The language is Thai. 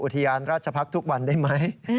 อุทยานราชพักษ์ทุกวันได้ไหม